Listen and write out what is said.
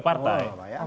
ini tiga partai